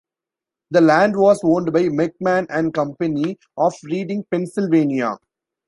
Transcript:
The land was owned by McMann and Company, of Reading, Pennsylvania.